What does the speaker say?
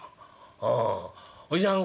「ああおじさん